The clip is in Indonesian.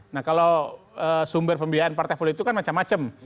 nah kalau sumber pembiayaan partai politik itu kan macam macam